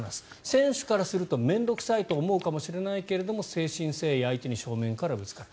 選手からすると面倒臭いと思うかもしれないけど誠心誠意相手に真正面からぶつかる。